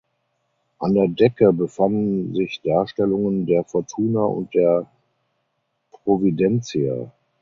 An der Decke befanden sich Darstellungen der Fortuna und der Providentia.